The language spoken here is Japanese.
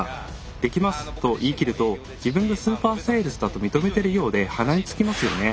「できます」と言い切ると自分がスーパーセールスだと認めてるようで鼻につきますよね。